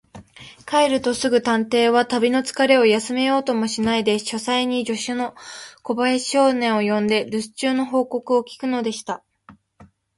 帰るとすぐ、探偵は旅のつかれを休めようともしないで、書斎に助手の小林少年を呼んで、るす中の報告を聞くのでした。